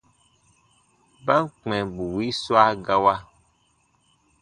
Ba ǹ kpɛ̃ bù wii swa gawa,